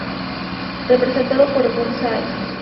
Representado por un bonsái.